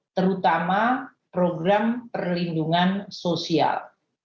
terutama program perlindungan sosial